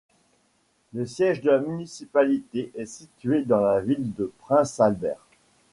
Le siège de la municipalité est situé dans la ville de Prince Albert.